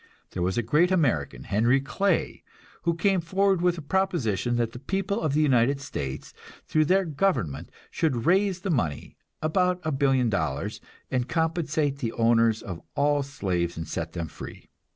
There was a great American, Henry Clay, who came forward with a proposition that the people of the United States, through their government, should raise the money, about a billion dollars, and compensate the owners of all the slaves and set them free.